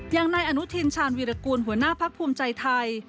อย่างนายอนุทินชาญวีรกูลหัวหน้าพักภูมิใจไทย